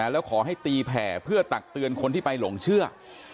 แล้วขอให้ตีแผ่เพื่อตักเตือนคนที่ไปหลงเชื่อ